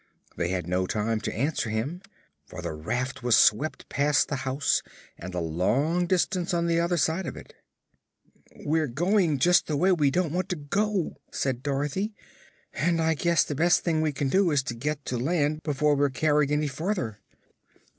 They had no time to answer him, for the raft was swept past the house and a long distance on the other side of it. "We're going just the way we don't want to go," said Dorothy, "and I guess the best thing we can do is to get to land before we're carried any farther."